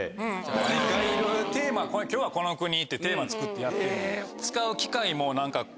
毎回いろいろ今日はこの国ってテーマ作ってやってる。